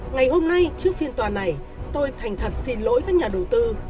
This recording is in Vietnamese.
ngày hôm nay trước phiên tòa này tôi thành thật xin lỗi với nhà đầu tư